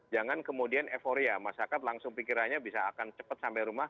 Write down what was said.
jangan kemudian euforia masyarakat langsung pikirannya bisa akan cepat sampai rumah